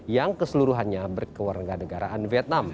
yang keseluruhannya berkewarga negaraan vietnam